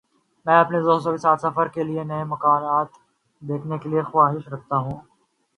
میں اپنے دوستوں کے ساتھ سفر کر کے نئی مقامات دیکھنے کی خواہش رکھتا ہوں۔